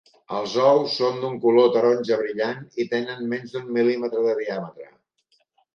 Els ous són d'un color taronja brillant i tenen menys d'un mil·límetre de diàmetre.